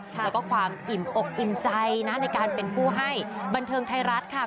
แล้วก็ความอิ่มอกอิ่มใจนะในการเป็นผู้ให้บันเทิงไทยรัฐค่ะ